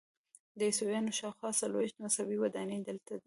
د عیسویانو شاخوا څلویښت مذهبي ودانۍ دلته دي.